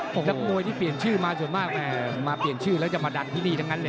นักมวยที่เปลี่ยนชื่อมาส่วนมากมาเปลี่ยนชื่อแล้วจะมาดังที่นี่ทั้งนั้นเลย